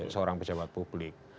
seorang pejabat publik